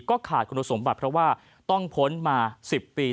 ก็ขาดคุณสมบัติเพราะว่าต้องพ้นมา๑๐ปี